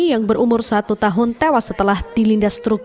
yang berumur satu tahun tewas setelah dilindas truk